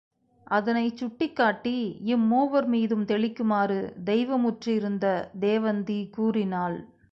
அதனைச் சுட்டிக் காட்டி இம்மூவர் மீதும் தெளிக்குமாறு தெய்வ முற்றிருந்த தேவந்தி கூறினாள்.